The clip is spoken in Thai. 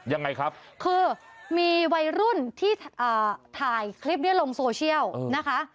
ยังไงครับคือมีวัยรุ่นที่ถ่ายคลิปนี้ลงโซเชียลนะคะ